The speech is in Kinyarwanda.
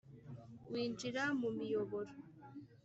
winjira mu miyoboro